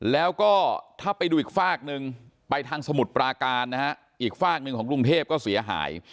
แล้วก็ถ้าไปดูอีกฝากหนึ่งไปทางสมุทรปราการนะฮะอีกฝากหนึ่งของกรุงเทพก็เสียหาย